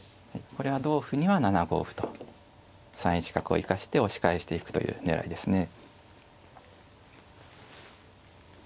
これは同歩には７五歩と３一角を生かして押し返していくという狙いですね。